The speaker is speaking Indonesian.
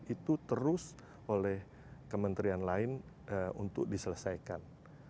itu terus oleh kementerian lain untuk diselesaikan